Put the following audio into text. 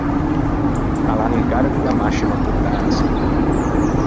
A l’à un incarrego da mascima importansa.